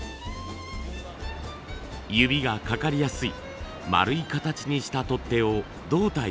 指がかかりやすい丸い形にした取っ手を胴体に付けます。